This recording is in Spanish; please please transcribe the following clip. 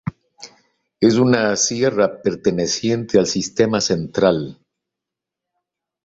Es una sierra perteneciente al Sistema Central.